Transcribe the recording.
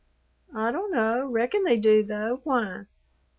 "I don't know. Reckon they do, though. Why?"